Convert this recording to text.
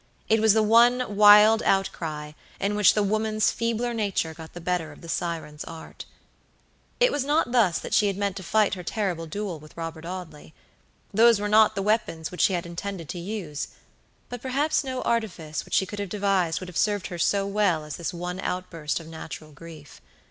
It was the one wild outcry, in which the woman's feebler nature got the better of the siren's art. It was not thus that she had meant to fight her terrible duel with Robert Audley. Those were not the weapons which she had intended to use; but perhaps no artifice which she could have devised would have served her so well as this one outburst of natural grief.